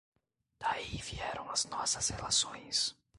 daí vieram as nossas relações.